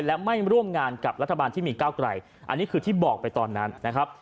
และไม่ร่วมงานกับรัฐบาลที่มีก้าวไกลอันนี้คือที่บอกไปตอนนั้นนะครับ